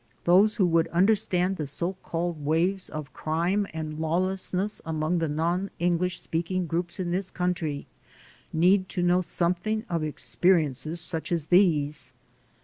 Those who would understand the so called waves of crime and lawlessness among the non English speaking groups in this country, need to know something of experiences such as these.